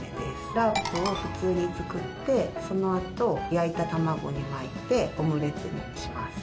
ラープを普通に作ってそのあと焼いた卵に巻いてオムレツにします。